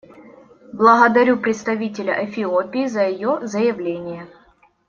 Благодарю представителя Эфиопии за ее заявление.